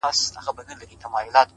له خوب چي پاڅي! توره تياره وي!